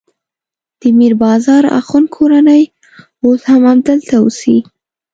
د میر بازار اخوند کورنۍ اوس هم همدلته اوسي.